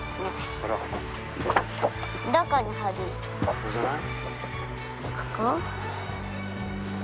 ここじゃない？